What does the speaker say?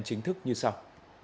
chính thức như sau